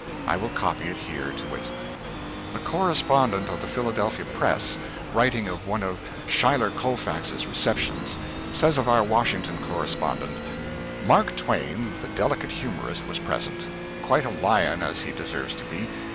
I will copy it here, to wit: A correspondent of the Philadelphia "Press," writing of one of Schuyler Colfax's receptions, says of our Washington correspondent: "Mark Twain, the delicate humorist, was present: quite a lion, as he deserves to be.